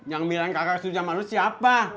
yang bilang kakak setuju sama lu siapa